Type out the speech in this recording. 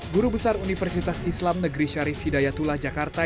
guru besar universitas islam negeri syarif hidayatullah jakarta